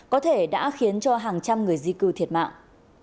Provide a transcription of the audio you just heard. có thể đã khiến cho hàng trăm người di cư thiệt mạng